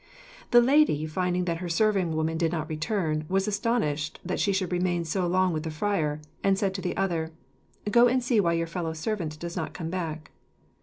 The lady, finding that her serving woman did not return, was astonished that she should remain so long with the friar, and said to the other "Go and see why your fellow servant does not come back."